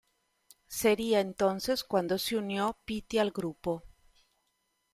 Sería entonces cuando se unió Pitti al grupo.